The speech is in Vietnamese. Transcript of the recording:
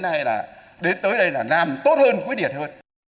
rất mong đến tới đây là làm tốt hơn quyết liệt hơn